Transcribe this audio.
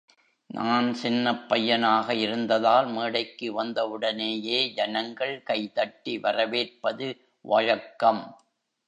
நான் சின்னப் பையனாக இருந்ததால் மேடைக்கு வந்தவுடனேயே ஜனங்கள் கைதட்டி வரவேற்பது வழக்கம்.